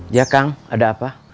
ya kang ada apa